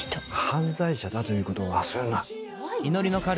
犯罪者だということを忘れるな。